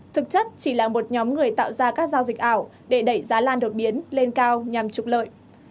thực chất chỉ là một nhóm người tạo ra các giao dịch ảo để đẩy giá lan đột biến lên cao nhằm trục lợi